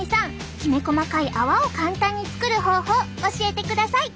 きめ細かい泡を簡単に作る方法教えてください。